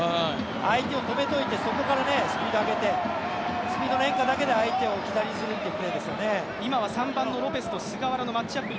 相手を止めておいてそこからスピード上げて、スピードの変化だけで、相手を置き去りにするっていうプレーですね。